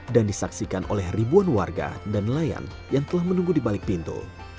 dan disaksikan oleh ribuan warga dan nelayan yang telah menunggu di balik pintu